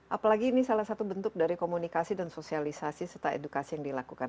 apalagi ini salah satu bentuk dari komunikasi dan sosialisasi serta edukasi yang dilakukan